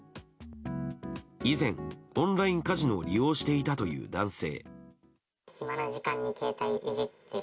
以前、オンラインカジノを利用していたという男性。